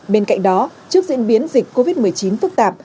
bên cạnh đó trước diễn biến dịch covid một mươi chín phức tạp